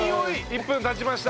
１分経ちました。